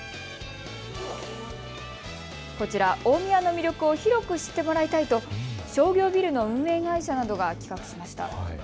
こちら、大宮の魅力を広く知ってもらいたいと商業ビルの運営会社などが企画しました。